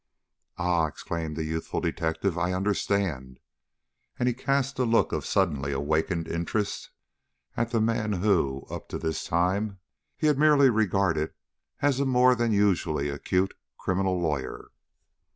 "Ah!" exclaimed the youthful detective, "I understand." And he cast a look of suddenly awakened interest at the man who, up to this time, he had merely regarded as a more than usually acute criminal lawyer.